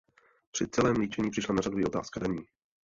Při celém líčení přišla na řadu i otázka daní.